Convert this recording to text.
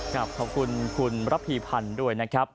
ขอบคุณคุณระพีพันธ์ด้วยนะครับ